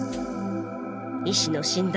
医師の診断